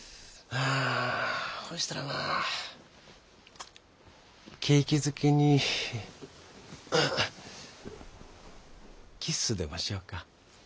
はあほしたらまあ景気づけにキッスでもしよか。